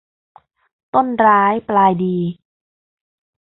ต้นร้ายปลายดี